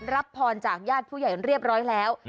รับพรจากญาติผู้ใหญ่เรียบร้อยแล้ว